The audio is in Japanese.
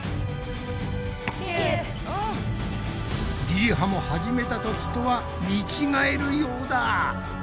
りりはも始めたときとは見違えるようだ。